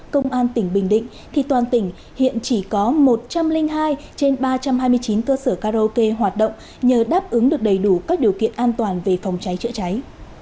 công an tỉnh bình định hiện chỉ có một trăm linh hai trên ba trăm hai mươi chín cơ sở karaoke hoạt động nhờ đáp ứng được đầy đủ các điều kiện an toàn về phòng cháy trợ cháy